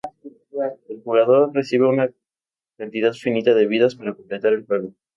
El jugador recibe una cantidad finita de vidas para completar el juego.